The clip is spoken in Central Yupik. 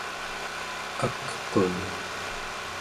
akqun